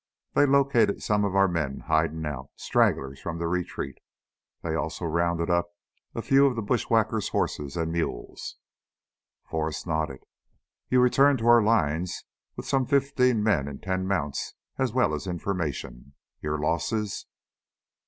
They located some of our men hidin' out stragglers from the retreat. They also rounded up a few of the bushwhackers' horses and mules." Forrest nodded. "You returned to our lines with some fifteen men and ten mounts, as well as information. Your losses?"